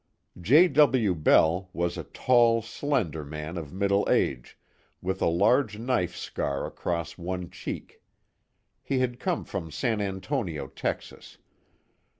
J. W. Bell was a tall, slender man of middle age, with a large knife scar across one cheek. He had come from San Antonio, Texas.